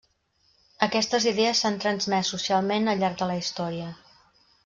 Aquestes idees s'han transmès socialment al llarg de la història.